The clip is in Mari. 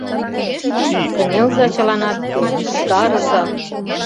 Кынелза чыланат те, утарыза